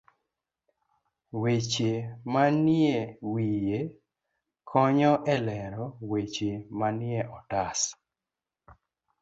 Weche manie wiye konyo e lero weche manie otas.